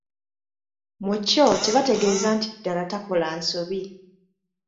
Mu kyo tebategeeza nti ddala takola nsobi.